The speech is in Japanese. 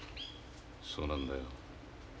そうなんだよ。